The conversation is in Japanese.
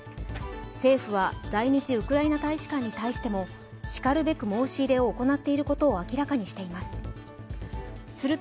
政府は在日ウクライナ大使館に対してもしかるべく申し入れを行っていることを明らかにしています。